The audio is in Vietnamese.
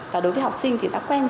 và đối với học sinh thì ta quen